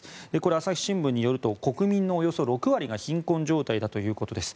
朝日新聞によると国民のおよそ６割が貧困状態だということです。